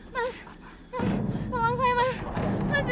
mas aku mau mandas